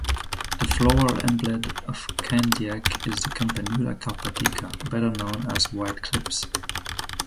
The floral emblem of Candiac is the "Campanula carpatica", better known as White Clips.